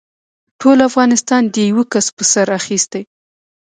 ټول افغانستان دې يوه کس په سر اخيستی.